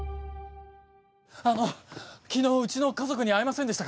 あの昨日うちの家族に会いませんでしたか？